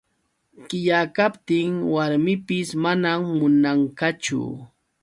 Qilla kaptin warmipis manam munanqachu.